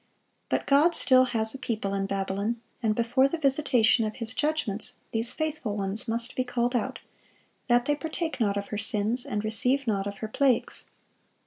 But God still has a people in Babylon; and before the visitation of His judgments, these faithful ones must be called out, that they "partake not of her sins, and receive not of her plagues."